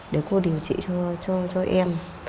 để cô điều trị cho em